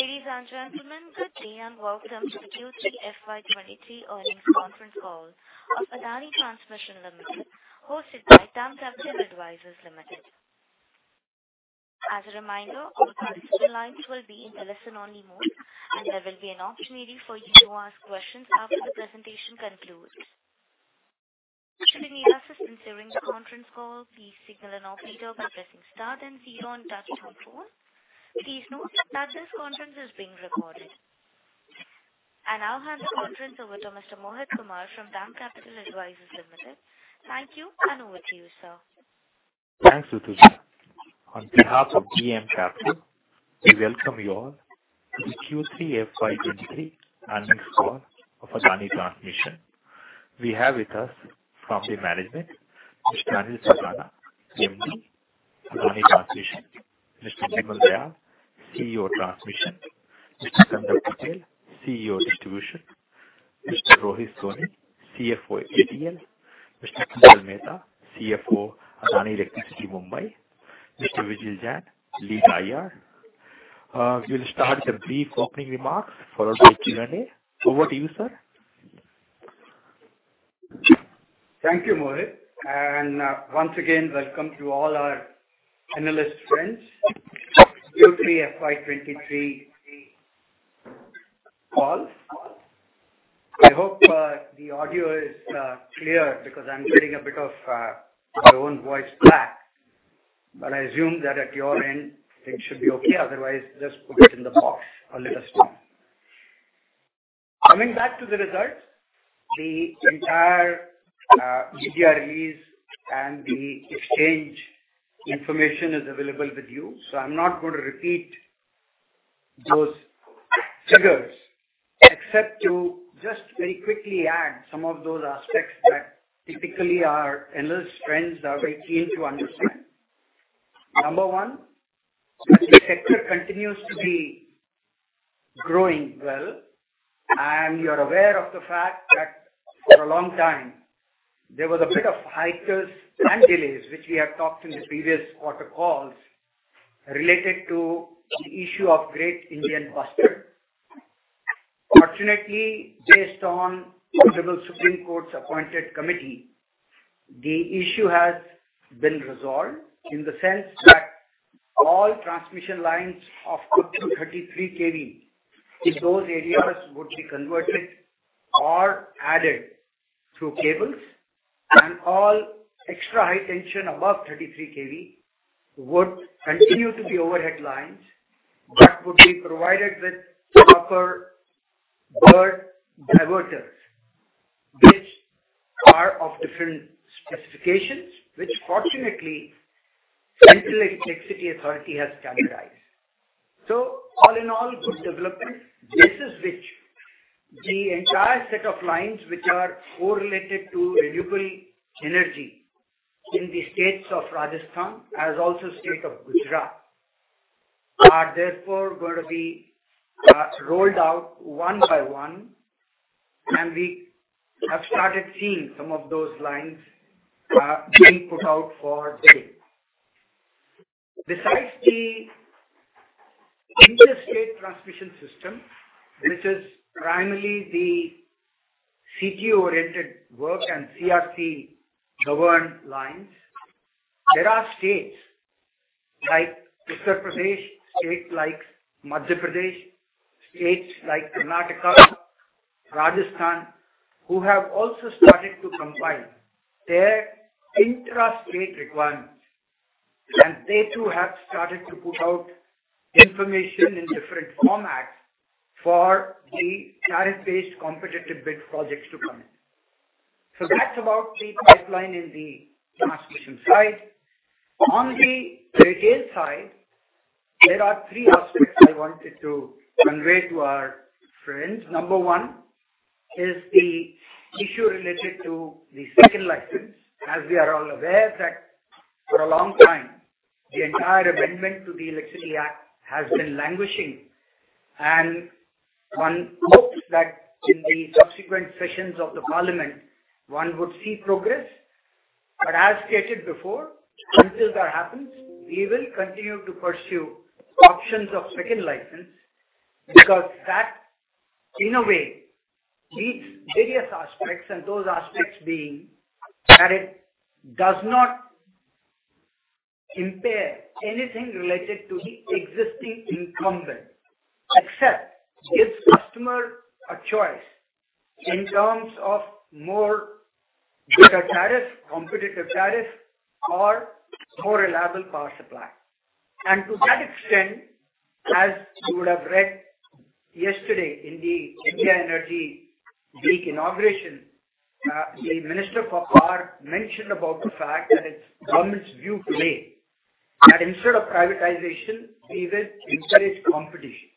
Ladies and gentlemen, good day and welcome to the Q3 FY23 earnings conference call of Adani Transmission Limited, hosted by DAM Capital Advisors Limited. As a reminder, all participant lines will be in listen-only mode, and there will be an opportunity for you to ask questions after the presentation concludes. To assist during the conference call, please signal an operator by pressing star then zero on touch-tone phone. Please note that this conference is being recorded. I now hand the conference over to Mr. Mohit Kumar from DAM Capital Advisors Limited. Thank you, and over to you, sir. Thanks, Rutuja. On behalf of DAM Capital, we welcome you all to the Q3 FY23 earnings call of Adani Transmission. We have with us from the management, Mr. Anil Sardana, Managing Director, Adani Transmission; Mr. Bimal Dayal, CEO, Transmission; Mr. Kandarp Patel, CEO, Distribution; Mr. Rohit Soni, CFO, ATL; Mr. Kunjal Mehta, CFO, Adani Electricity Mumbai; Mr. Vijil Jain, Head, Investor Relations. We'll start with a brief opening remarks followed by Q&A. Over to you, sir. Thank you, Mohit, and once again, welcome to all our analyst friends to Q3 FY23 call. I hope the audio is clear because I'm getting a bit of my own voice back, but I assume that at your end it should be okay. Otherwise, just put it in the box or let us know. Coming back to the results, the entire ETRE's and the exchange information is available with you, so I'm not going to repeat those figures except to just very quickly add some of those aspects that typically our analyst friends are very keen to understand. Number one, the sector continues to be growing well, and you're aware of the fact that for a long time there was a bit of hiccups and delays, which we have talked in the previous quarter calls, related to the issue of Great Indian Bustard. Fortunately, based on Honorable Supreme Court's appointed committee, the issue has been resolved in the sense that all transmission lines up to 33 kV in those areas would be converted or added through cables and all extra high tension above 33 kV would continue to be overhead lines, but would be provided with proper bird diverters, which are of different specifications, which fortunately Central Electricity Authority has standardized. All in all, good development. This is which the entire set of lines which are correlated to renewable energy in the states of Rajasthan, as also state of Gujarat, are therefore going to be rolled out one by one, and we have started seeing some of those lines being put out for bid. Besides the interstate transmission system, which is primarily the CTU-oriented work and CERC-governed lines, there are states like Uttar Pradesh, states like Madhya Pradesh, states like Karnataka, Rajasthan, who have also started to compile their intrastate requirements, and they, too, have started to put out information in different formats for the tariff-based competitive bid projects to come in. That's about the pipeline in the transmission side. On the retail side, there are 3 aspects I wanted to convey to our friends. Number 1 is the issue related to the 2nd license. As we are all aware that for a long time the entire amendment to the Electricity Act has been languishing. One hopes that in the subsequent sessions of the Parliament, one would see progress. As stated before, until that happens, we will continue to pursue options of second license because that, in a way, meets various aspects and those aspects being that it does not impair anything related to the existing incumbent, except gives customer a choice in terms of more better tariff, competitive tariff or more reliable power supply. To that extent, as you would have read yesterday in the India Energy Week inauguration, the Minister for Power mentioned about the fact that it's government's view today that instead of privatization, we will encourage competition.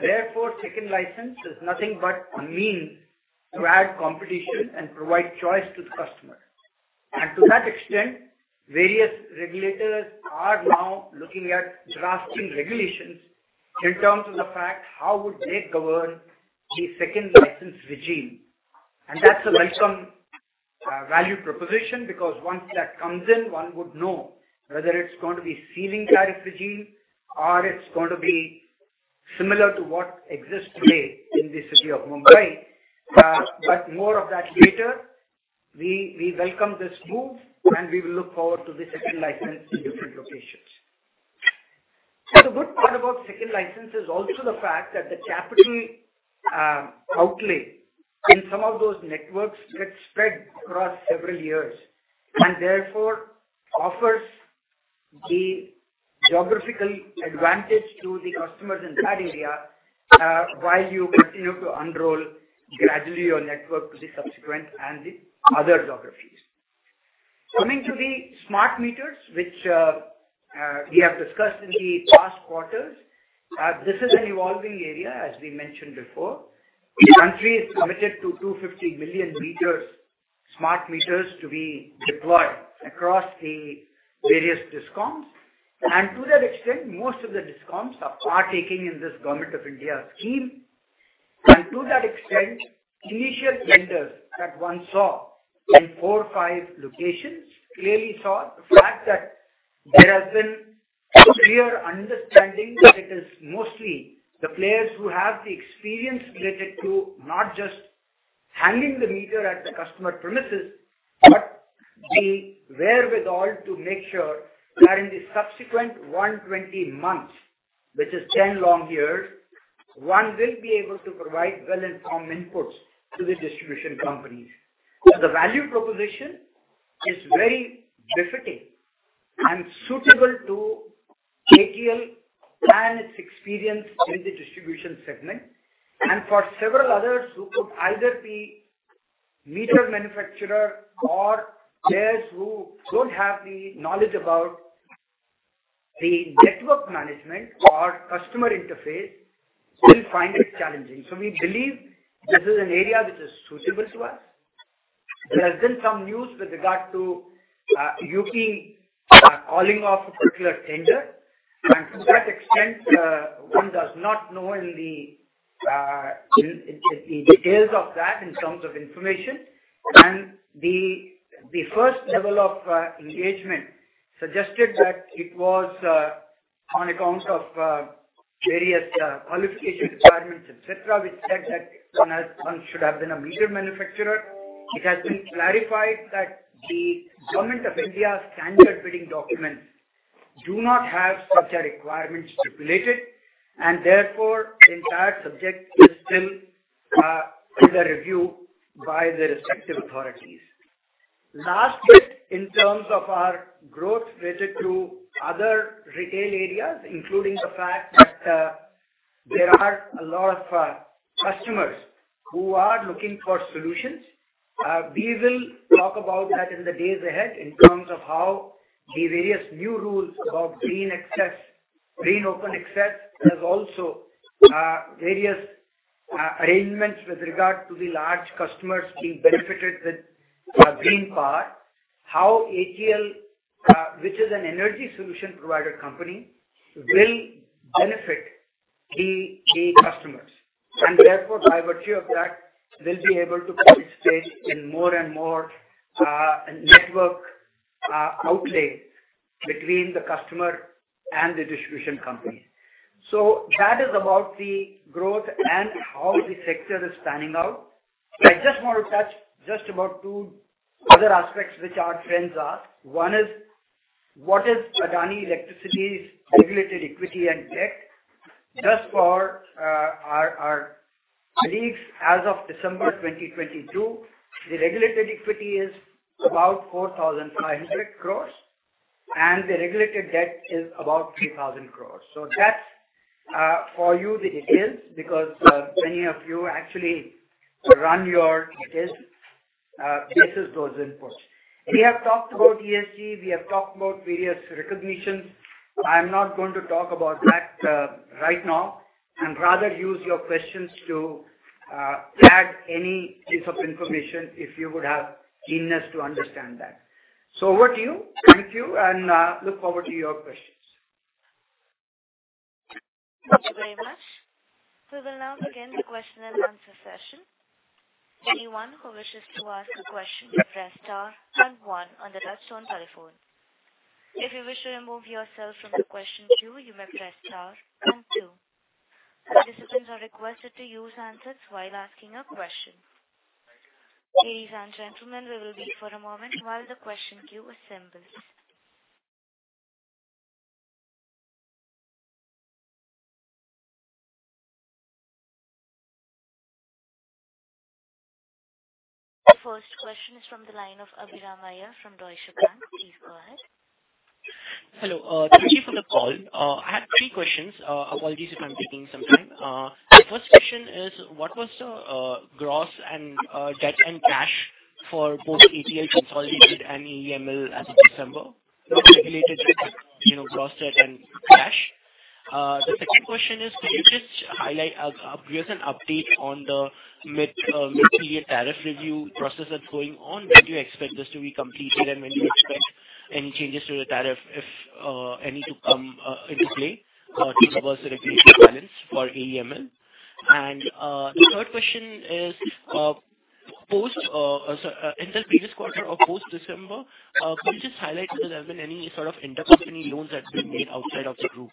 Therefore, second license is nothing but a means to add competition and provide choice to the customer. To that extent, various regulators are now looking at drafting regulations in terms of the fact how would they govern the second license regime. That's a welcome value proposition because once that comes in, one would know whether it's going to be ceiling tariff regime or it's going to be similar to what exists today in the city of Mumbai. More of that later. We welcome this move, and we will look forward to the second license in different locations. The good part about second license is also the fact that the capital outlay in some of those networks gets spread across several years and therefore offers the geographical advantage to the customers in that area, while you continue to unroll gradually your network to the subsequent and the other geographies. Coming to the smart meters, which we have discussed in the past quarters. This is an evolving area, as we mentioned before. The country is committed to 250 million meters, smart meters to be deployed across the various discoms. To that extent, most of the discoms are partaking in this Government of India scheme. To that extent, initial vendors that one saw in 4, 5 locations clearly saw the fact that there has been a clear understanding that it is mostly the players who have the experience related to not just hanging the meter at the customer premises, but the wherewithal to make sure that in the subsequent 120 months, which is 10 long years, one will be able to provide well-informed inputs to the distribution companies. The value proposition is very befitting and suitable to ATL and its experience in the distribution segment. For several others who could either be meter manufacturer or players who don't have the knowledge about the network management or customer interface will find it challenging. We believe this is an area which is suitable to us. There has been some news with regard to UP calling off a particular tender. To that extent, one does not know in the details of that in terms of information. The first level of engagement suggested that it was on account of various qualification requirements, et cetera, which said that one should have been a meter manufacturer. It has been clarified that the Government of India's standard bidding documents do not have such a requirement stipulated, and therefore the entire subject is still under review by the respective authorities. Lastly, in terms of our growth related to other retail areas, including the fact that, there are a lot of customers who are looking for solutions, we will talk about that in the days ahead in terms of how the various new rules about green access, Green Open Access. There's also various arrangements with regard to the large customers being benefited with green power. How ATL, which is an energy solution provider company, will benefit the customers, and therefore, by virtue of that, will be able to participate in more and more network outlay between the customer and the distribution company. That is about the growth and how the sector is panning out. I just want to touch just about two other aspects which our trends are. One is what is Adani Electricity's regulated equity and debt. Just for our beliefs as of December 2022, the regulated equity is about 4,500 crores and the regulated debt is about 3,000 crores. That's for you the details, because many of you actually run your details basis those inputs. We have talked about ESG, we have talked about various recognitions. I'm not going to talk about that right now, and rather use your questions to add any piece of information, if you would have keenness to understand that. With you, and look forward to your questions. Thank you very much. We will now begin the question and answer session. Anyone who wishes to ask a question press star 1 on the touch-tone telephone. If you wish to remove yourself from the question queue, you may press star 2. Participants are requested to use handsets while asking a question. Please and gentlemen, there will be for a moment while the question queue assembles. The first question is from the line of Abhiram Iyer from Deutsche Bank. Please go ahead. Hello. Thank you for the call. I have three questions. Apologies if I'm taking some time. The first question is what was the gross and debt and cash for both ATL consolidated and AEML as of December? Not regulated, but you know, gross debt and cash. The second question is, can you just highlight give us an update on the mid-period tariff review process that's going on? When do you expect this to be completed and when do you expect any changes to the tariff if, any to come into play, to reverse the regulatory balance for AEML? The third question is, post, sorry, in the previous quarter or post-December, can you just highlight if there have been any sort of intercompany loans that's been made outside of the group, of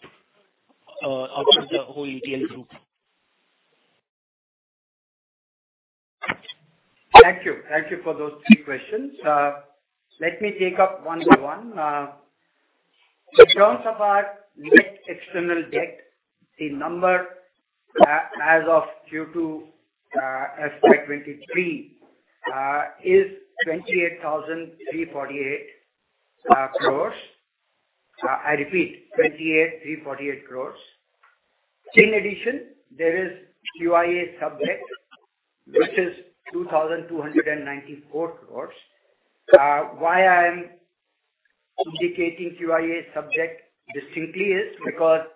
the whole ATL group? Thank you. Thank you for those three questions. Let me take up one by one. In terms of our net external debt, the number as of Q2, FY 2023 is 28,348 crores. I repeat, 28,348 crores. In addition, there is QIA subject, which is 2,294 crores. Why I'm indicating QIA subject distinctly is because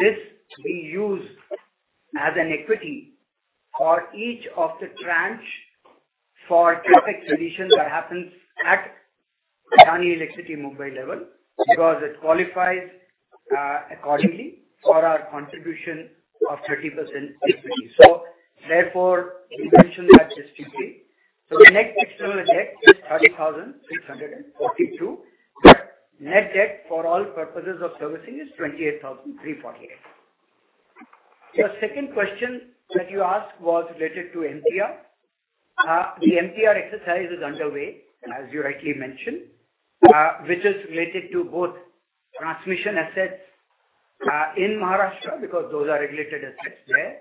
this we use as an equity for each of the tranche for traffic conditions that happens at Adani Electricity Mumbai level, because it qualifies accordingly for our contribution of 30% equity. Therefore, we mention that distinctly. The net external debt is 30,642 crores. Net debt for all purposes of servicing is 28,348 crores. Your second question that you asked was related to MPR. The MPR exercise is underway, as you rightly mentioned, which is related to both transmission assets, in Maharashtra, because those are regulated assets there,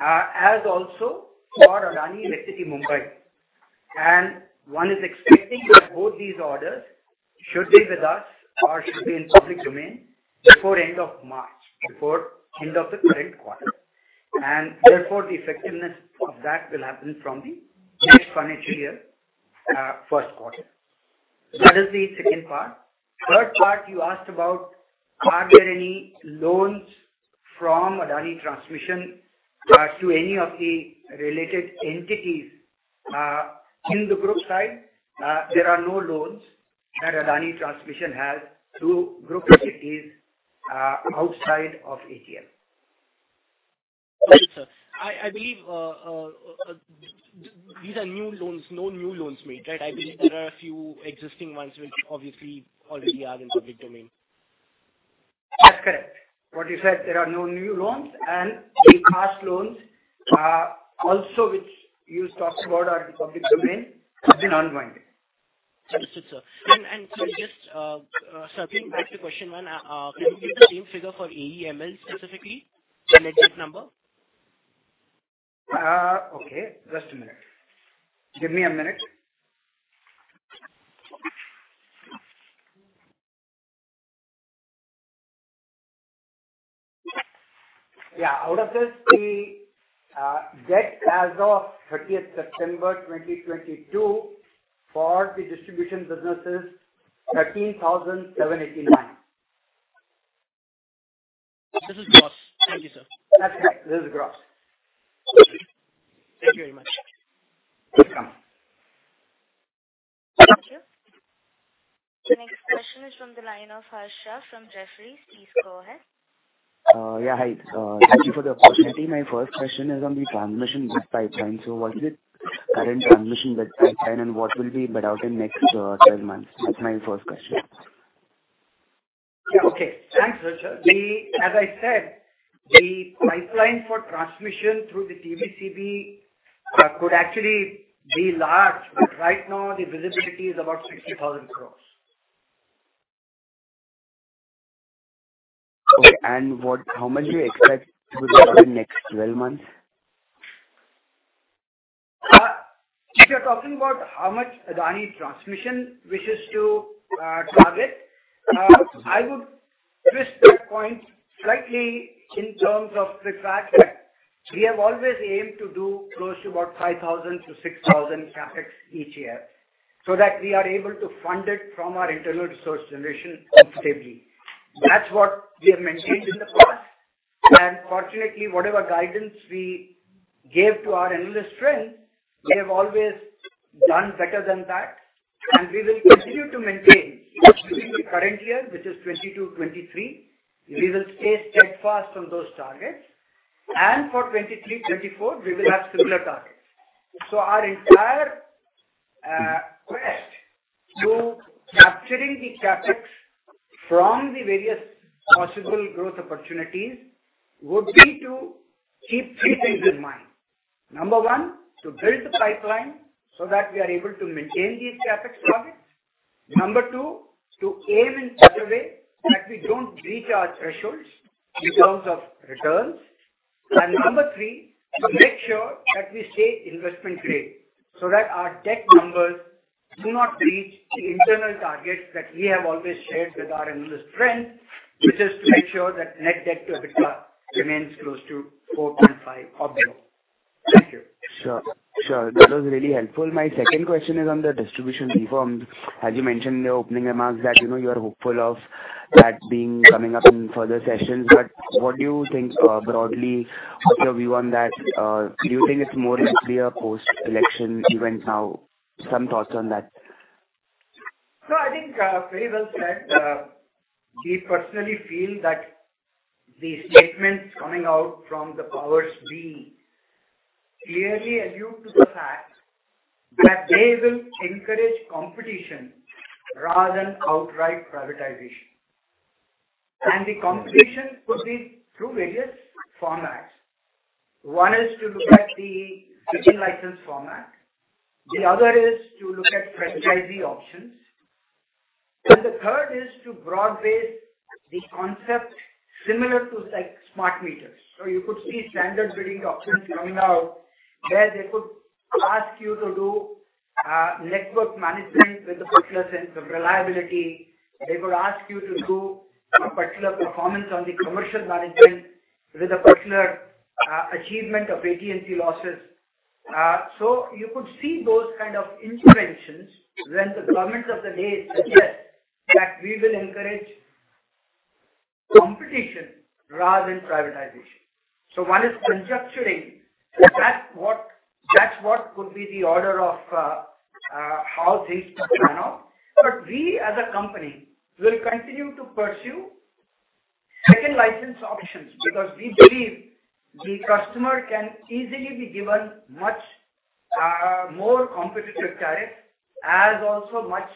as also for Adani Electricity Mumbai. One is expecting that both these orders should be with us or should be in public domain before end of March, before end of the current quarter. Therefore, the effectiveness of that will happen from the next financial year, first quarter. That is the second part. Third part you asked about are there any loans from Adani Transmission, to any of the related entities, in the group side? There are no loans that Adani Transmission has to group entities, outside of ATL. Right, sir. I believe these are new loans, no new loans made, right? I believe there are a few existing ones which obviously already are in public domain. That's correct. What you said, there are no new loans and the past loans also which you talked about are in public domain, have been unwound. Understood, sir. Can you just, circling back to question one, can you give the same figure for AEML specifically, the net debt number? Okay. Just a minute. Give me a minute. Out of this, the debt as of 30th September 2022 for the distribution business is 13,789. This is gross. Thank you, sir. That's right. This is gross. Thank you very much. Welcome. Thank you. The next question is from the line of Harsh Shah from Jefferies. Please go ahead. Hi. Thank you for the opportunity. My first question is on the transmission bid pipeline. What is the current transmission bid pipeline and what will be bid out in next 12 months? That's my first question. Okay. Thanks, Harsh Shah. As I said, the pipeline for transmission through the TBCB could actually be large, but right now the visibility is about 60,000 crores. Okay. How much do you expect within next 12 months? If you're talking about how much Adani Transmission wishes to target, I would twist that point slightly in terms of the fact that we have always aimed to do close to about 5,000 to 6,000 CapEx each year, so that we are able to fund it from our internal resource generation comfortably. That's what we have maintained in the past. Fortunately, whatever guidance we gave to our analyst friends, we have always done better than that. We will continue to maintain, including the current year, which is 2022 to 2023. We will stay steadfast on those targets. For 2023-2024, we will have similar targets. Our entire quest to capturing the CapEx from the various possible growth opportunities would be to keep three things in mind. Number one, to build the pipeline so that we are able to maintain these CapEx targets. Number 2, to aim in such a way that we don't breach our thresholds in terms of returns. Number 3, to make sure that we stay investment grade so that our debt numbers do not reach the internal targets that we have always shared with our analyst friends, which is to make sure that net debt to EBITDA remains close to 4.5 or below. Thank you. That was really helpful. My second question is on the distribution reforms. As you mentioned in the opening remarks that, you know, you are hopeful of that being coming up in further sessions. What do you think, broadly, what's your view on that? Do you think it's more likely a post-election event now? Some thoughts on that. No, I think, very well said. We personally feel that the statements coming out from the powers being clearly allude to the fact that they will encourage competition rather than outright privatization. The competition could be through various formats. One is to look at the second license format, the other is to look at franchisee options, and the third is to broad base the concept similar to like smart meters. You could see standard bidding options coming out where they could ask you to do network management with a particular sense of reliability. They would ask you to do a particular performance on the commercial management with a particular achievement of AT&C losses. You could see those kind of interventions when the government of the day suggests that we will encourage competition rather than privatization. One is conjecturing that's what could be the order of how things pan out. We as a company will continue to pursue second license options because we believe the customer can easily be given much more competitive tariff as also much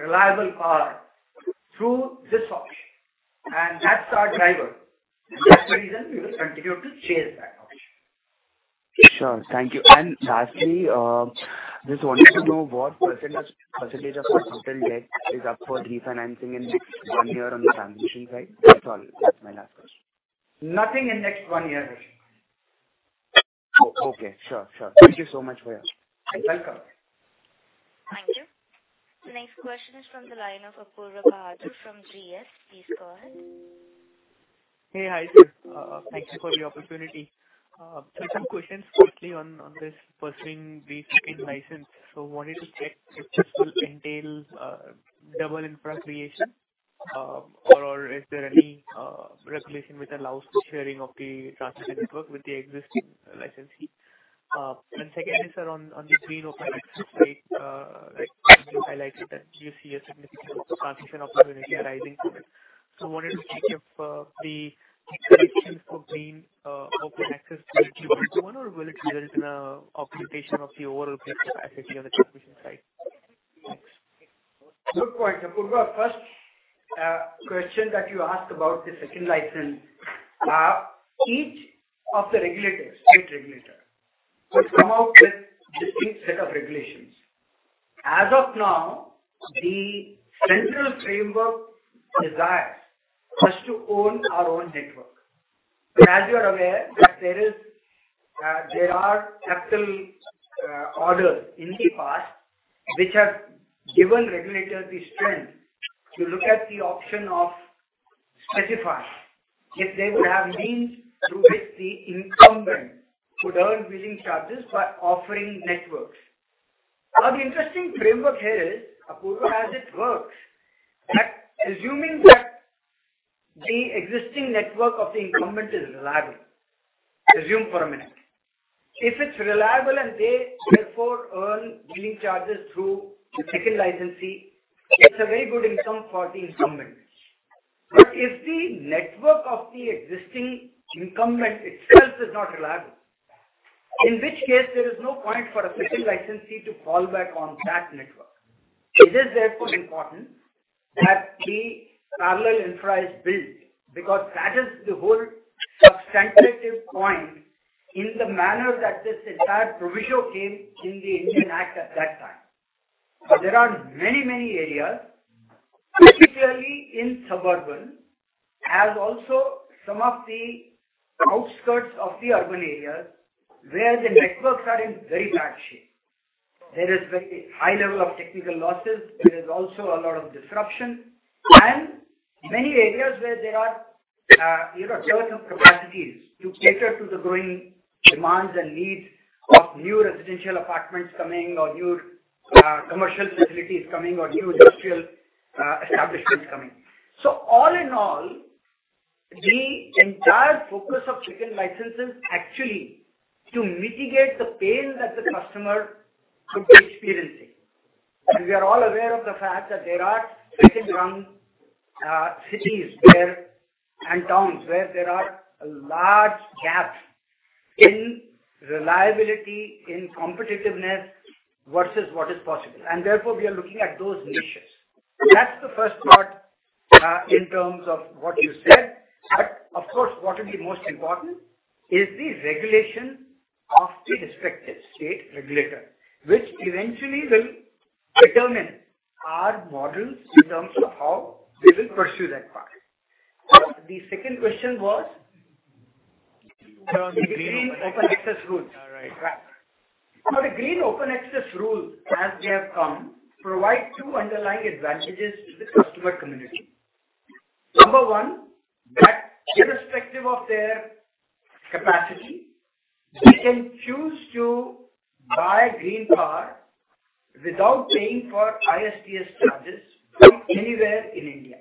reliable power through this option. That's our driver. That's the reason we will continue to chase that option. Sure. Thank you. Lastly, just wanted to know what percentage of your total debt is up for refinancing in next 1 year on the transition side. That's all. That's my last question. Nothing in next one year, Harsh. Okay. Sure. Thank you so much for your help. You're welcome. Thank you. Next question is from the line of Apoorva Bahadur from GS. Please go ahead. Hey. Hi, sir. Thank you for the opportunity. Some questions quickly on this pursuing the second license. Wanted to check if this will entail double infra creation or is there any regulation which allows the sharing of the transmission network with the existing licensee? Second is, sir, on the Green Open Access, like you highlighted that you see a significant transmission opportunity arising from it. Wanted to check if the corrections for Green Open Access will be one or will it result in an occupation of the overall capacity on the transmission side? Thanks. Good point, Apoorva. First, question that you asked about the second license. Each of the regulators, state regulator, will come out with distinct set of regulations. As of now, the central framework desires us to own our own network. As you are aware that there is, there are subtle, orders in the past which have given regulators the strength to look at the option of specifying if they would have means through which the incumbent could earn billing charges by offering networks. The interesting framework here is, Apoorva, as it works, that assuming that the existing network of the incumbent is reliable, assume for a minute. If it's reliable and they therefore earn billing charges through the second licensee, it's a very good income for the incumbent. If the network of the existing incumbent itself is not reliable, in which case there is no point for a second licensee to fall back on that network. It is therefore important that the parallel infra is built, because that is the whole substantive point in the manner that this entire provision came in the Indian Act at that time. There are many, many areas, particularly in suburban, as also some of the outskirts of the urban areas, where the networks are in very bad shape. There is very high level of technical losses. There is also a lot of disruption and many areas where there are, you know, certain capacities to cater to the growing demands and needs of new residential apartments coming or new commercial facilities coming or new industrial establishments coming. All in all, the entire focus of second license is actually to mitigate the pain that the customer could be experiencing. We are all aware of the fact that there are certain cities where, and towns where there are a large gap in reliability, in competitiveness versus what is possible. Therefore, we are looking at those niches. That's the first part in terms of what you said. Of course, what will be most important is the regulation of the respective state regulator, which eventually will determine our models in terms of how we will pursue that path. The second question was? The Green Open Access rules, as they have come, provide 2 underlying advantages to the customer community. Number 1, that irrespective of their capacity, they can choose to buy green power without paying for ISTS charges from anywhere in India.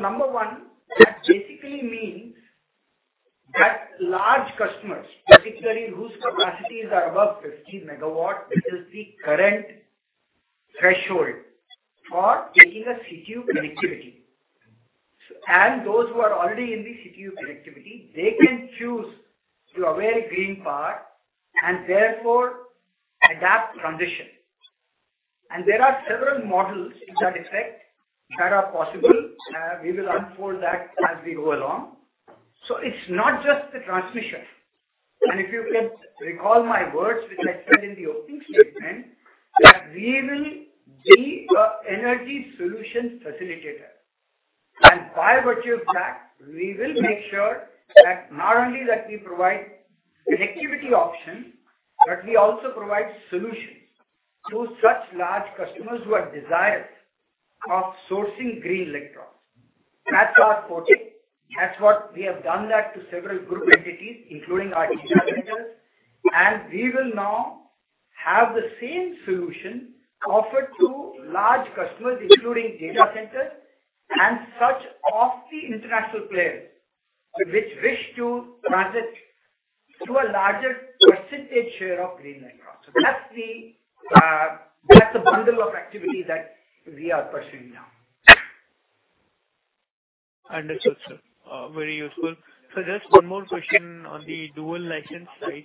number 1, that basically means large customers, particularly whose capacities are above 50 MW, which is the current threshold for taking a CTU connectivity. Those who are already in the CTU connectivity, they can choose to avail green power and therefore adapt transition. There are several models to that effect that are possible. We will unfold that as we go along. It's not just the transmission. If you can recall my words, which I said in the opening statement, that we will be an energy solution facilitator. By virtue of that, we will make sure that not only that we provide connectivity options, but we also provide solutions to such large customers who have desires of sourcing green electrons. That's our forte. That's what we have done that to several group entities, including our data centers. We will now have the same solution offered to large customers, including data centers and such of the international players which wish to transit to a larger percentage share of green electrons. That's the bundle of activity that we are pursuing now. Understood, sir. Very useful. Just one more question on the dual license side.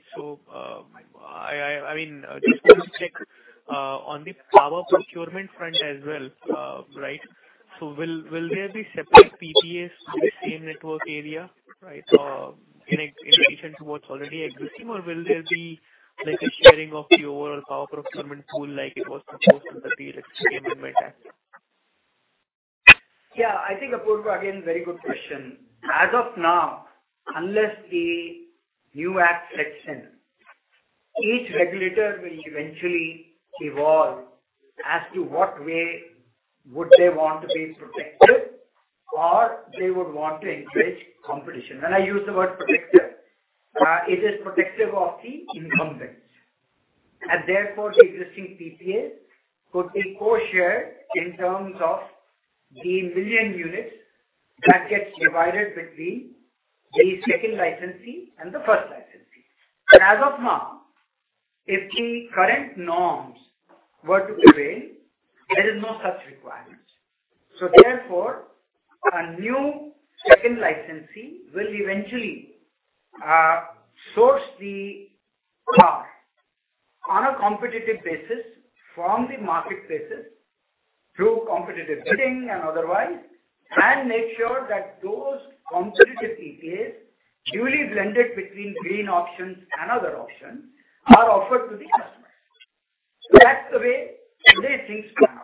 I mean, just to check, on the power procurement front as well, right. Will there be separate PPAs in the same network area, right? In addition to what's already existing, or will there be like a sharing of the overall power procurement pool like it was proposed in the previous regime in my task? I think, Apoorva, again, very good question. As of now, unless the new act sets in, each regulator will eventually evolve as to what way would they want to be protected or they would want to encourage competition. When I use the word protective, it is protective of the incumbents, and therefore, the existing PPAs could be co-shared in terms of the million units that gets divided between the second licensee and the first licensee. As of now, if the current norms were to prevail, there is no such requirement. A new second licensee will eventually source the power on a competitive basis from the marketplaces through competitive bidding and otherwise, and make sure that those competitive PPAs duly blended between green options and other options are offered to the customers. That's the way today things pan out.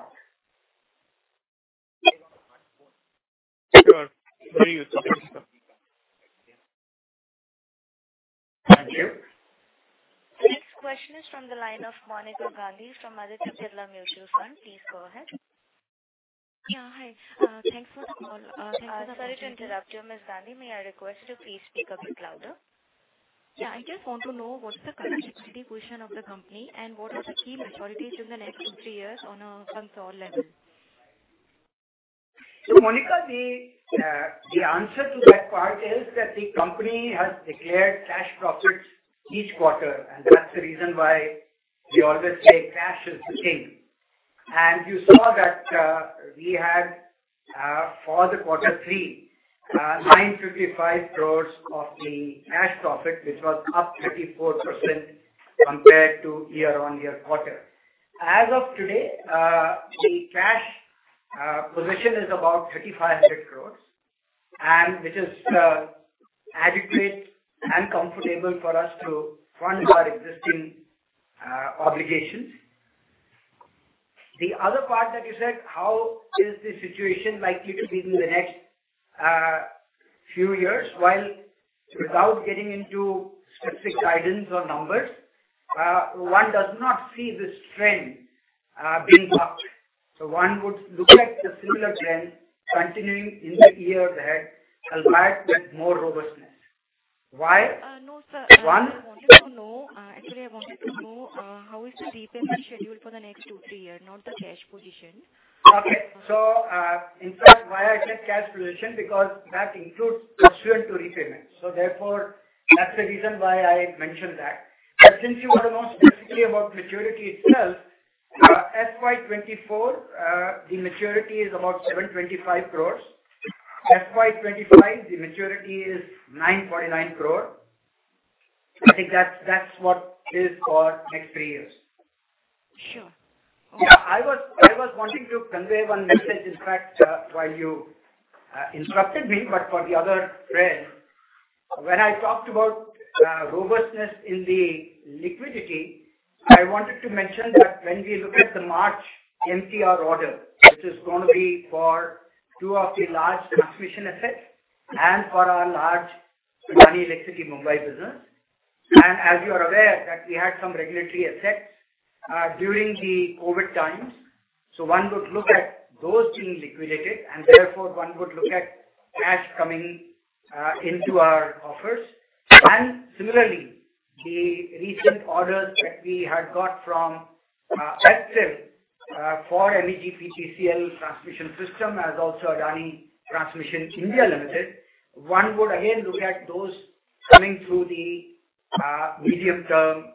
Sure. Very useful. Thanks, sir. Thank you. The next question is from the line of Monika Gandhi from Aditya Birla Sun Life Mutual Fund. Please go ahead. Hi. Thanks for the call. Sorry to interrupt you, Ms. Gandhi. May I request you to please speak a bit louder? I just want to know what's the current liquidity position of the company and what is the key maturities in the next two, three years on a console level? Monika, the answer to that part is that the company has declared cash profits each quarter, and that's the reason why we always say cash is the king. You saw that we had for the quarter three, 955 crores of the cash profit, which was up 34% compared to year-on-year quarter. As of today, the cash position is about 3,500 crores, and which is adequate and comfortable for us to fund our existing obligations. The other part that you said, how is the situation likely to be in the next few years? Without getting into specific guidance or numbers, one does not see this trend being bucked. One would look at the similar trend continuing in the year ahead, albeit with more robustness. No, sir. Actually, I wanted to know, how is the repayment schedule for the next 2, 3 years, not the cash position? Okay. In fact, why I said cash position because that includes pursuant to repayment. Therefore, that's the reason why I mentioned that. Since you want to know specifically about maturity itself, FY 2024, the maturity is about 725 crore. FY 2025, the maturity is 9.9 crore. I think that's what is for next 3 years. Sure. Okay. I was wanting to convey one message, in fact, while you interrupted me, but for the other thread. When I talked about robustness in the liquidity, I wanted to mention that when we look at the March MPR order, which is gonna be for two of the large transmission assets and for our large Adani Electricity Mumbai business. As you are aware that we had some regulatory assets during the COVID times. One would look at those being liquidated, and therefore one would look at cash coming into our coffers. Similarly, the recent orders that we had got from ATL for NEGP PCL transmission system as also Adani Transmission India Limited. One would again look at those coming through the medium-term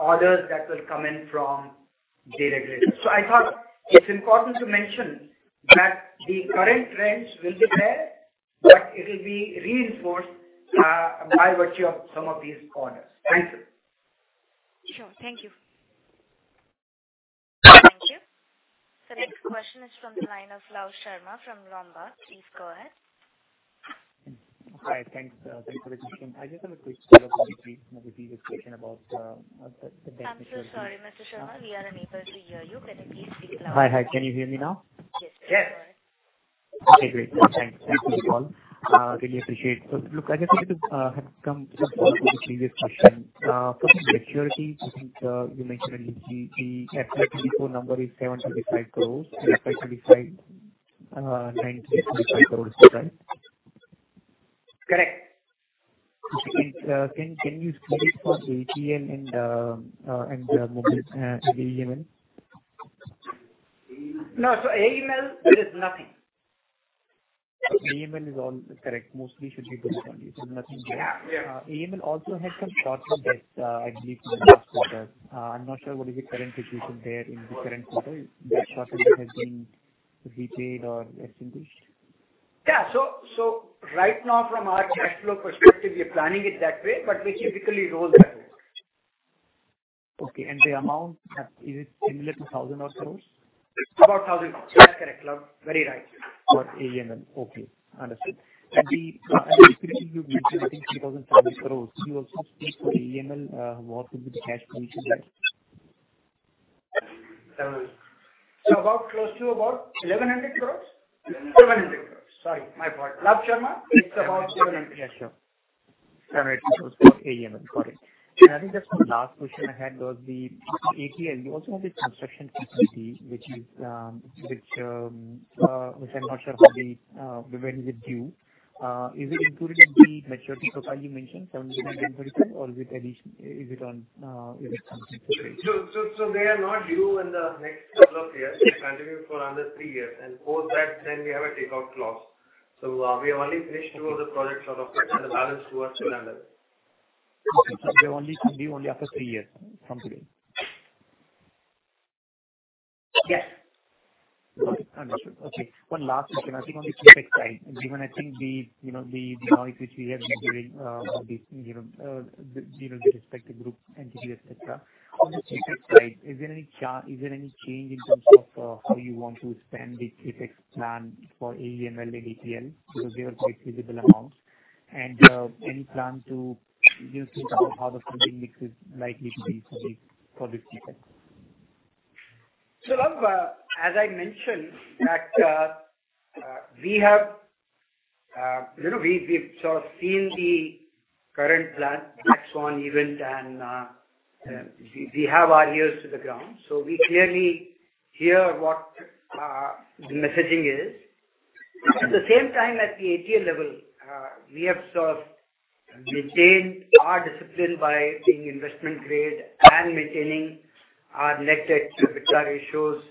orders that will come in from data grid. I thought it's important to mention that the current trends will be there, but it'll be reinforced by virtue of some of these corners. Thank you. Sure. Thank you. Thank you. Next question is from the line of Love Sharma from Lombard. Please go ahead. Hi. Thanks, thank you for taking my call. I just have a quick follow-up on the previous question about. I'm so sorry, Mr. Sharma, we are unable to hear you. Can you please speak louder? Hi. Can you hear me now? Yes. Yes. Okay, great. Thanks. Thanks for the call. Really appreciate. Look, I just need to have come to the previous question. For the maturity, I think, you mentioned earlier the FY 2024 number is 725 crores. FY 2025, 925 crores, is that right? Correct. Okay. Can you split it for ATL and Mumbai and AEML? No. AEML, there is nothing. AEML is all correct. Mostly should be built on it. There's nothing there. AEML also had some shorter debts, I believe in the last quarter. I'm not sure what is the current situation there in the current quarter. That shorter debt has been repaid or extinguished. Right now from our cash flow perspective, we are planning it that way, but we typically roll that over. Okay. The amount, is it similar to 1,000 odd crores? About 1,000 crores. That's correct, Love. Very right. For AEML. Okay, understood. The you mentioned, I think 3,500 crores. You also speak for AEML, what will be the cash flow into that? about close to about 1,100 crores. 700 crores. Sorry, my bad. Love Sharma, it's about 700. Sure. 700 crore for AEML. Got it. I think just one last question I had was the ATL. You also have a construction facility which is which I'm not sure how the when is it due. Is it included in the maturity profile you mentioned, 735, or is it on, They are not due in the next couple of years. They continue for another 3 years, and post that then we have a takeout clause. We have only finished 2 of the projects out of it, and the balance 2 are still under. Okay. They're only due only after 3 years from today. Yes. Got it. Understood. Okay. One last question. I think on the CapEx side, given I think the, you know, the noise which we have been hearing, of the, you know, the, you know, the respective group entities, et cetera. On the CapEx side, is there any change in terms of how you want to spend the CapEx plan for AEML and ATL because they are quite visible amounts. Any plan to, you know, think about how the funding mix is likely to be for this CapEx? Love, as I mentioned that, we have, you know, we've sort of seen the current plan, Black Swan event, and we have our ears to the ground, so we clearly hear what the messaging is. At the same time, at the ATL level, we have sort of maintained our discipline by being investment grade and maintaining our net debt to EBITDA ratios,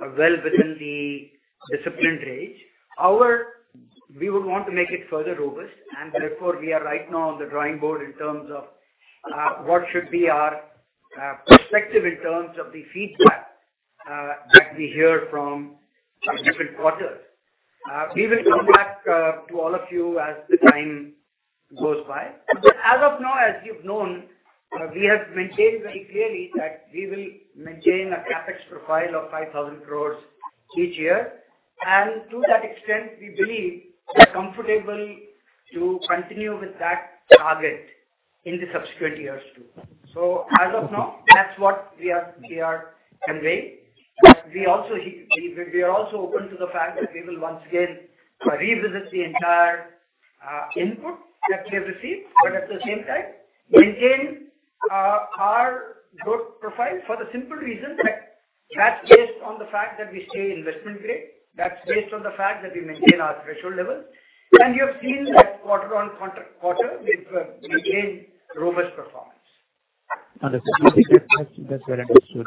well within the disciplined range. We would want to make it further robust, and therefore we are right now on the drawing board in terms of what should be our perspective in terms of the feedback that we hear from different quarters. We will come back to all of you as the time goes by. As of now, as you've known, we have maintained very clearly that we will maintain a CapEx profile of 5,000 crores each year. To that extent, we believe we are comfortable to continue with that target in the subsequent years too. As of now, that's what we are, we are conveying. We also are also open to the fact that we will once again revisit the entire input that we have received, but at the same time maintain our growth profile for the simple reason that that's based on the fact that we stay investment grade. That's based on the fact that we maintain our threshold level. You have seen that quarter-on-quarter, we've maintained robust performance. Understood. That's well understood.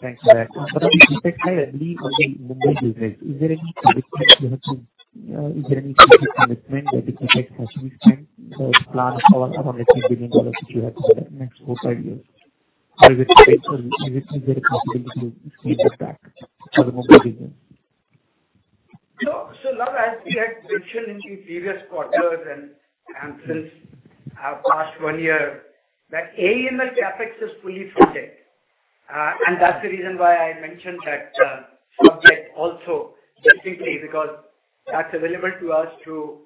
Thanks for that. For the CapEx side, I believe on the Mumbai region, is there any specific commitment that the CapEx has to be spent planned for around $3 billion that you had said next 4-5 years? Or is there a possibility to scale that back for the Mumbai region? Love, as we had mentioned in the previous quarters and since past one year, that AEML CapEx is fully funded. That's the reason why I mentioned that subject also distinctly, because that's available to us to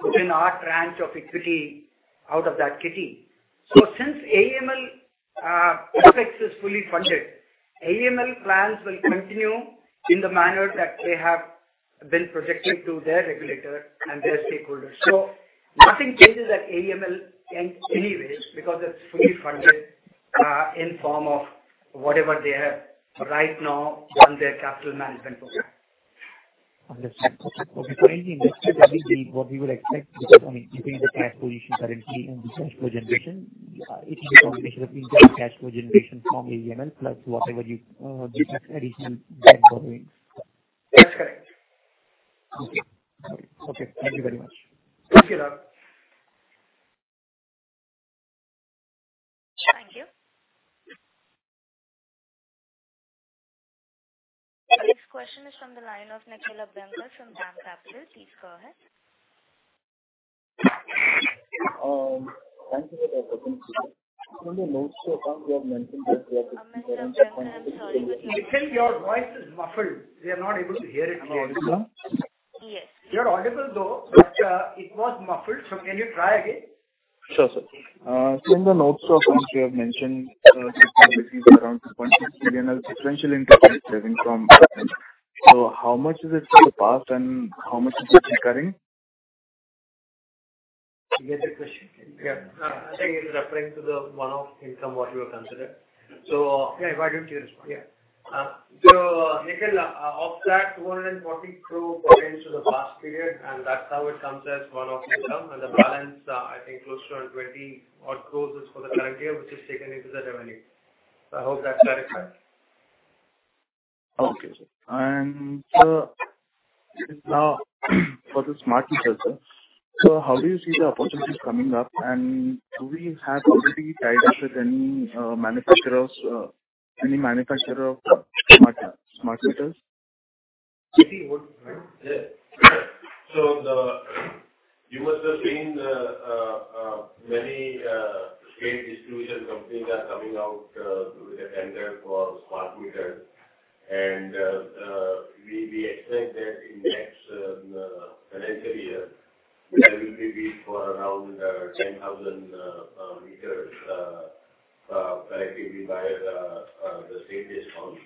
put in our tranche of equity out of that kitty. Since AEML CapEx is fully funded, AEML plans will continue in the manner that they have been projected to their regulator and their stakeholders. Nothing changes at AEML in any way because that's fully funded in form of whatever they have right now on their capital management program. Understood. For any investment what we would expect, because, I mean, looking at the cash position currently and the cash flow generation, it is a combination of internal cash flow generation from AEML plus whatever you take as additional debt borrowings. That's correct. Okay. Got it. Okay. Thank you very much. Thank you, Love. Thank you. The next question is from the line of Nikhil Abhyankar from DAM Capital. Please go ahead. Thank you for the opportunity. In the notes to account, you have mentioned that you have. Mr. Abhyankar, I'm sorry, but- Nikhil, your voice is muffled. We are not able to hear it very well. Oh, is it so? You're audible though, but, it was muffled. Can you try again? Sure, sir. In the notes to account, you have mentioned, around 2.6 billion are potential interest saving from. How much is it for the past and how much is it recurring? You get the question? I think he's referring to the one-off income, what you have considered. Why don't you respond? Nikhil, of that 240 crore pertains to the past period, and that's how it comes as one-off income. The balance, I think close to 20 odd crore is for the current year, which is taken into the revenue. I hope that clarifies. Okay, sir. For the smart meter, sir. How do you see the opportunities coming up? Do we have already tied up with any manufacturers, any manufacturer of smart meters? CT, what? You must have seen the many state distribution companies are coming out with a tender for smart meters. We expect that in next financial year there will be bid for around 10,000 meters collectively by the state discounts.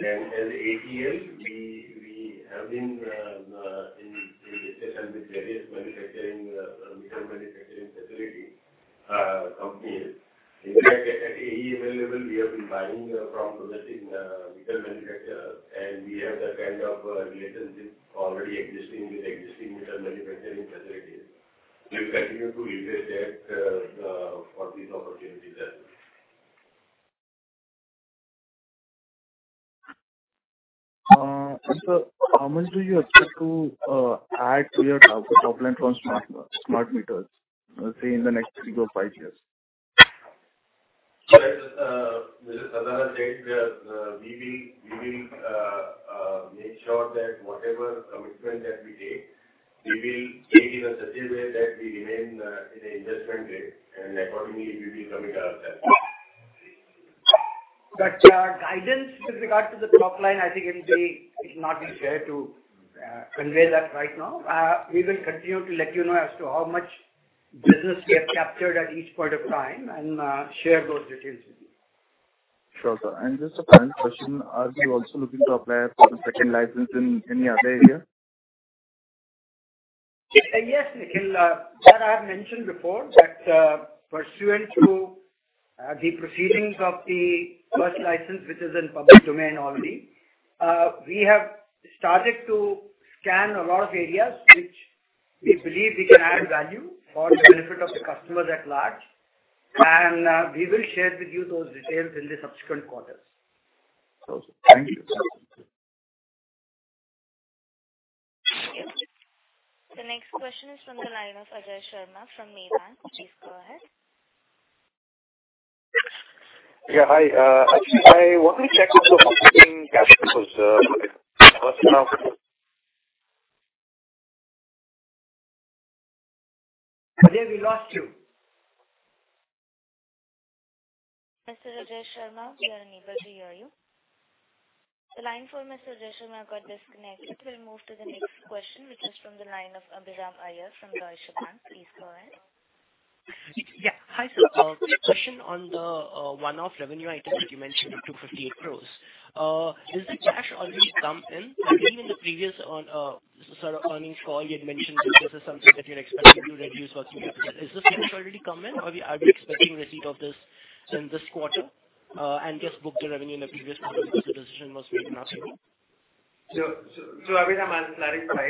As ATL, we have been in discussion with various manufacturing meter manufacturing facility companies. In fact, at AE level, we have been buying from domestic meter manufacturers, and we have that kind of relationship already existing with existing meter manufacturing facilities. We'll continue to utilize that for these opportunities as well. Sir, how much do you expect to add to your top line from smart meters, let's say in the next 3-5 years? Right. As Anil Sardana said, we are, we will make sure that whatever commitment that we take, we will take it in such a way that we remain, in a investment grade and accordingly we will commit ourselves. Guidance with regard to the top line, I think it will be, it will not be fair to convey that right now. We will continue to let you know as to how much business we have captured at each point of time and share those details with you. Sure, sir. Just a final question. Are you also looking to apply for the second license in any other area? Yes, Nikhil. That I have mentioned before, that, pursuant to, the proceedings of the first license, which is in public domain already, we have started to scan a lot of areas which we believe we can add value for the benefit of the customers at large. We will share with you those details in the subsequent quarters. Okay. Thank you. Thank you. The next question is from the line of Ajay Sharma from Maybank. Please go ahead. Hi. Actually, I want to check with the operating cash flows versus now. Ajay, we lost you. Mr. Ajay Sharma, we are unable to hear you. The line for Mr. Ajay Sharma got disconnected. We'll move to the next question, which is from the line of Abhiram Iyer from Deutsche Bank. Please go ahead. Hi, sir. Question on the one-off revenue item that you mentioned, 258 crores. Has the cash already come in? I believe in the previous, sort of earnings call you had mentioned that this is something that you're expecting to reduce working capital. Has this cash already come in or are we expecting receipt of this in this quarter, and just book the revenue in the previous quarter because the decision was made in our quarter? Abhiram, I'll clarify.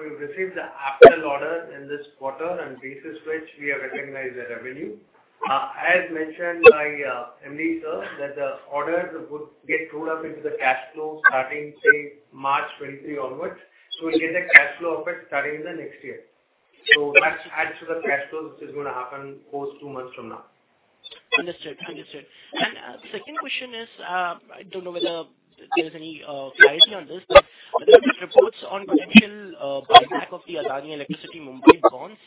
We've received the actual order in this quarter and basis which we have recognized the revenue. As mentioned by, MD sir, that the orders would get rolled up into the cash flow starting, say, March 2023 onwards. We'll get the cash flow of it starting the next year. That adds to the cash flow, which is going to happen post 2 months from now. Understood. Understood. The second question is, I don't know whether there's any clarity on this, but there have been reports on potential buyback of the Adani Electricity Mumbai bonds.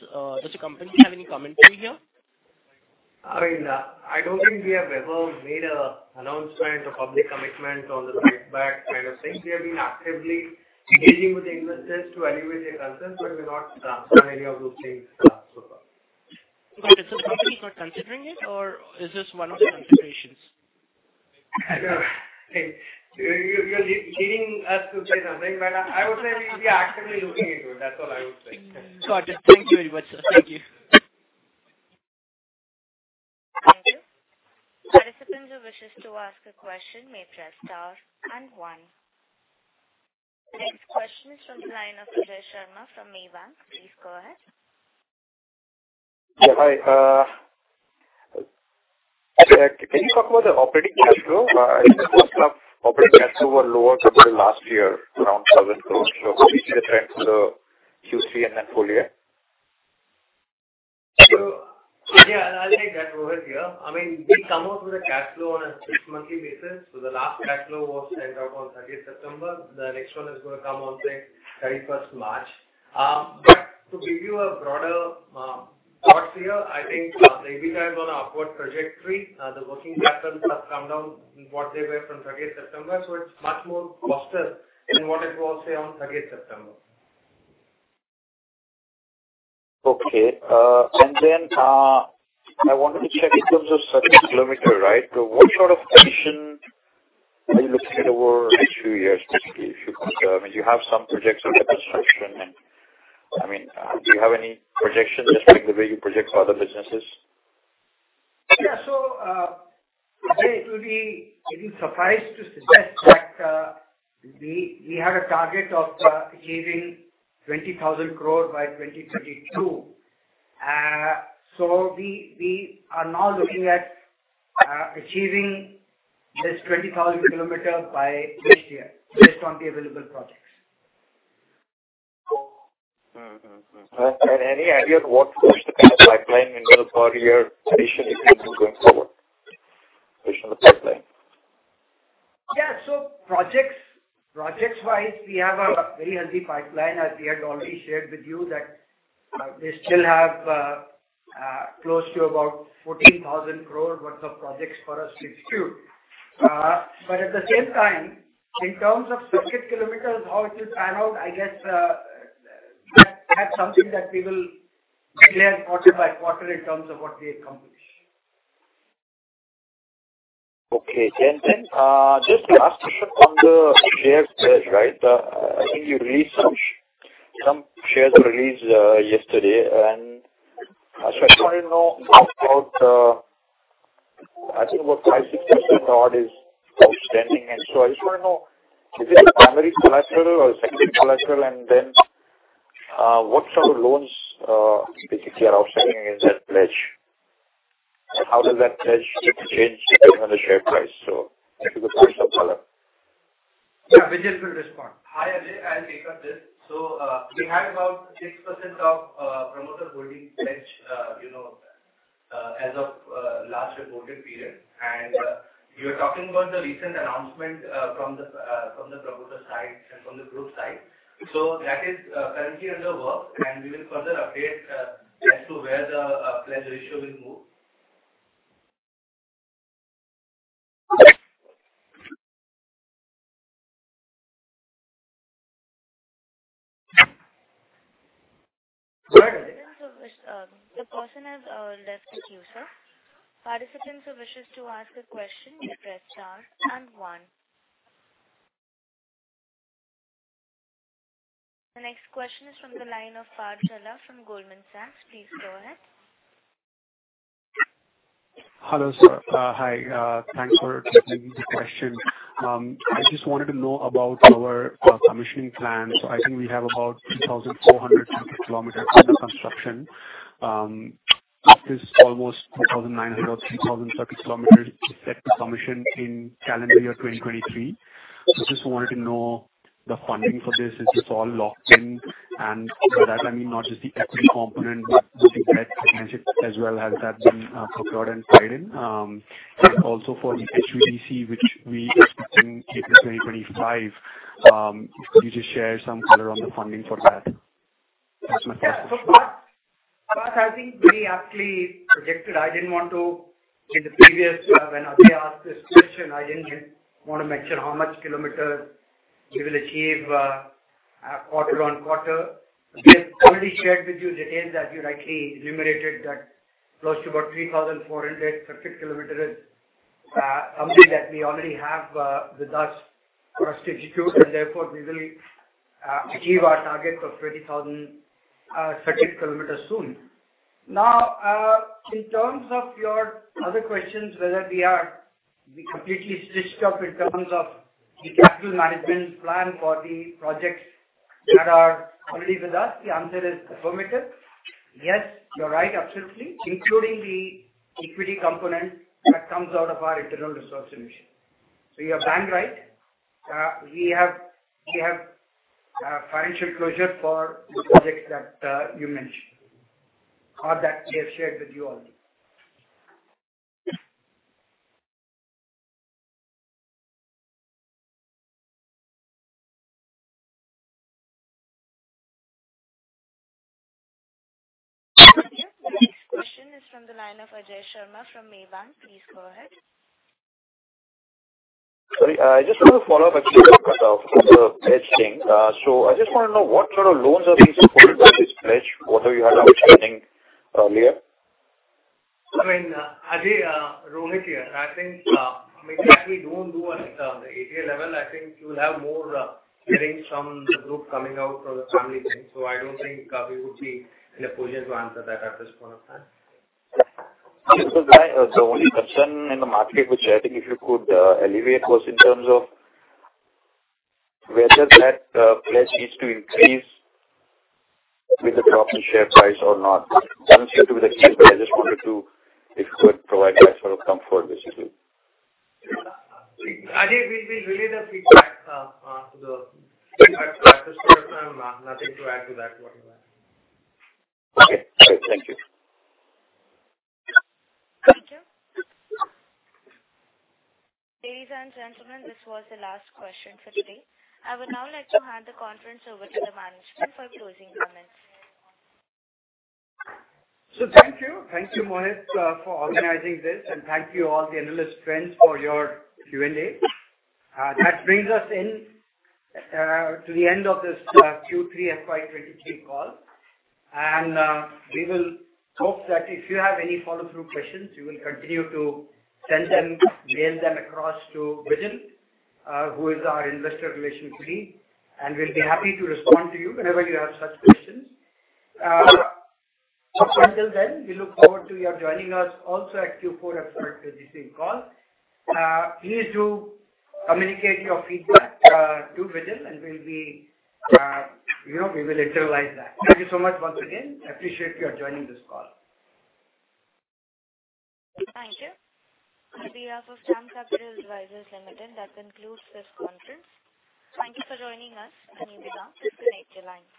Does the company have any commentary here? I mean, I don't think we have ever made a announcement or public commitment on the buyback kind of thing. We have been actively engaging with investors to alleviate their concerns, but we've not done any of those things, so far. Is the company, like, considering it or is this one of the considerations? You're leading us to say something, but I would say we are actively looking into it. That's all I would say. Got it. Thank you very much, sir. Thank you. Participant who wishes to ask a question may press star and one. The next question is from the line of Ajay Sharma from Maybank. Please go ahead. Hi, can you talk about the operating cash flow? Operating cash flow were lower compared to last year, around 7 crore. Could you share the trend for the Q3 and then full year? I'll take that, Rohit, here. I mean, we come out with a cash flow on a six monthly basis, so the last cash flow was sent out on 30th September. The next one is gonna come on, say, 31st March. To give you a broader thoughts here, I think the EBITDA is on upward trajectory. The working capital has come down what they were from 30th September, so it's much more positive than what it was, say, on 30th September. Okay. I wanted to check in terms of circuit kilometer, right? What sort of addition are you looking at over the next few years? You have some projects under construction, do you have any projections just like the way you project for other businesses? Ajay, it will be maybe surprised to suggest that we have a target of achieving 20,000 crore by 2022. We are now looking at achieving this 20,000 km by this year based on the available projects. Any idea of what was the kind of pipeline window for your addition if you keep going forward? Addition of the pipeline. Projects-wise, we have a very healthy pipeline, as we had already shared with you that we still have close to about 14,000 crore worth of projects for us to execute. At the same time, in terms of circuit kilometers, how it is panned out, I guess, that's something that we will declare quarter by quarter in terms of what we accomplish. Okay. Just last question on the share pledge, right? I think you released some shares were released yesterday. I just wanted to know about, I think about 5-6% odd is outstanding. I just wanna know, is this a primary collateral or secondary collateral? What sort of loans, basically are outstanding in that pledge? How does that pledge get changed depending on the share price? If you could share some caller. Vijil will respond. Hi, Ajay. I'll take up this. We had about 6% of promoter holding pledge, you know, as of last reported period. You're talking about the recent announcement from the promoter side and from the group side. That is currently under work, and we will further update as to where the pledge ratio will move. Go ahead. The person has left the queue, sir. Participants who wishes to ask a question, you press star and one. The next question is from the line of Parth Gala from Goldman Sachs. Please go ahead. Hello, sir. Thanks for taking the question. I just wanted to know about your commissioning plan. I think we have about 3,400 circuit kilometers under construction. Out of this almost 2,900, 3,000 circuit kilometers is set to commission in calendar year 2023. Just wanted to know the funding for this. Is this all locked in? By that, I mean, not just the equity component, but the debt finances as well. Has that been procured and tied in? Also for the HVDC, which we expecting it in 2025, could you just share some color on the funding for that? That's my first question. Parth, I think very aptly projected. I didn't want to in the previous, when Ajay asked this question, I didn't want to mention how much kilometers we will achieve quarter on quarter. We have already shared with you details that you rightly enumerated that close to about 3,400 circuit kilometers, something that we already have with us for us to execute, and therefore we will achieve our target of 20,000 circuit kilometers soon. In terms of your other questions, whether we are completely stitched up in terms of the capital management plan for the projects that are already with us, the answer is affirmative. Yes, you're right, absolutely, including the equity component that comes out of our internal resource solution. You are bang right. We have financial closure for the projects that you mentioned or that we have shared with you all. The next question is from the line of Ajay Sharma from Maybank. Please go ahead. Sorry. I just want to follow up actually on top of the pledge thing. I just wanna know what sort of loans are being supported by this pledge. What have you had outstanding, earlier? I mean, Ajay, Rohit here. I think, I mean, we don't do anything on the ATL level. I think you'll have more hearings from the group coming out from the family bank. I don't think, we would be in a position to answer that at this point of time. The only concern in the market, which I think if you could alleviate was in terms of whether that pledge is to increase with the drop in share price or not. Doesn't seem to be the case, but I just wanted to, if you could provide that sort of comfort, basically. Ajay, we relay the feedback to the at this point of time. Nothing to add to that point. Okay. Great. Thank you. Thank you. Ladies and gentlemen, this was the last question for today. I would now like to hand the conference over to the management for closing comments. Thank you. Thank you, Mohit, for organizing this, and thank you all the analyst friends for your Q&A. That brings us in to the end of this Q3 FY 2023 call. We will hope that if you have any follow-through questions, you will continue to send them, mail them across to Vijil, who is our investor relations PD, and we'll be happy to respond to you whenever you have such questions. Until then, we look forward to you joining us also at Q4 FY 2023 call. Please do communicate your feedback to Vijil, and we'll be, you know, we will internalize that. Thank you so much once again. I appreciate you joining this call. Thank you. On behalf of DAM Capital Advisors Limited, that concludes this conference. Thank you for joining us and you may now disconnect your lines.